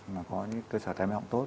mà có những cơ sở tài mỹ họng tốt